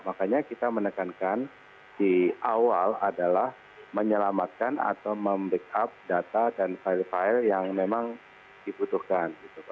makanya kita menekankan di awal adalah menyelamatkan atau membackup data dan file file yang memang dibutuhkan